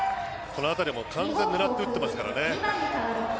このあたりも完全に狙って打っていますからね。